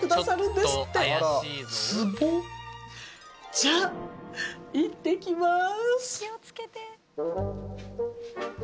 じゃあいってきます。